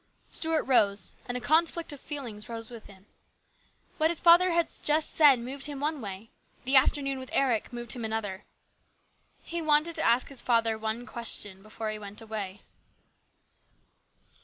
Stuart rose, and a conflict of feelings rose with him. What his father had just said moved him one way ; the afternoon with Eric moved him another. He wanted to ask his father one question before he went away.